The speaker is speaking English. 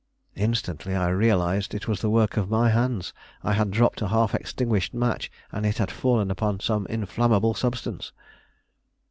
Instantly I realized it was the work of my hands; I had dropped a half extinguished match, and it had fallen upon some inflammable substance.